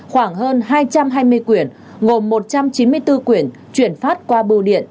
khoảng hơn hai trăm hai mươi quyển gồm một trăm chín mươi bốn quyển chuyển phát qua bưu điện